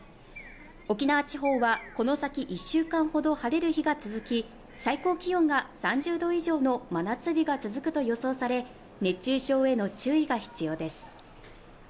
沖縄地方はこの先１週間ほど晴れる日が続き最高気温が３０度以上の真夏日が続くと予想され熱中症への注意が必要です